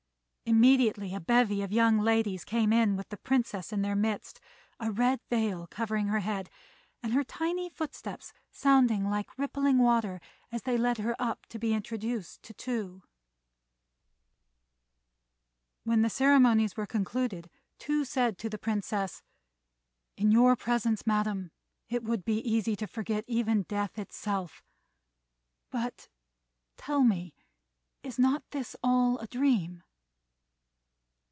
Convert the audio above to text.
Immediately a bevy of young ladies came in with the Princess in their midst, a red veil covering her head, and her tiny footsteps sounding like rippling water as they led her up to be introduced to Tou. When the ceremonies were concluded, Tou said to the Princess, "In your presence, Madam, it would be easy to forget even death itself; but, tell me, is not this all a dream?"